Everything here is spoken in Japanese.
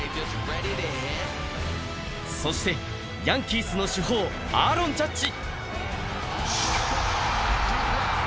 そして、ヤンキースの主砲アーロン・ジャッジ。